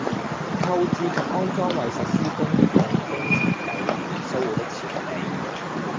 購置及安裝為實施公共工程計劃而需要的設備